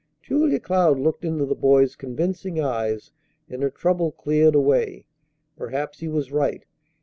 Julia Cloud looked into the boy's convincing eyes, and her trouble cleared away. Perhaps he was right.